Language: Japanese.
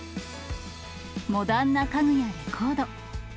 モダンな家具やレコード。